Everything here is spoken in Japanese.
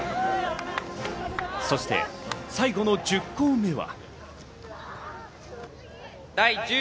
そして最後の１０校目は。